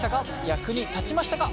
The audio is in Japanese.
役に立ちましたか？